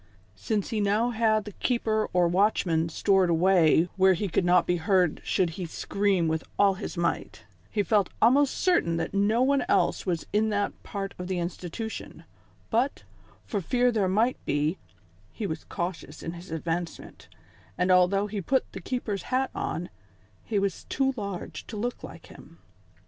Since he now had the keeper or watchman stored away where he could not be heard should he scream with all his might, he felt almost certain that no one else was in that part of the institution ; but, for fear there might be, he was cautious in his advancement, and although he put the keeper's hat on, he was too large to look like him.